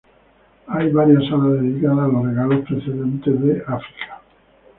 Hay varias salas dedicadas a los regalos procedentes de África.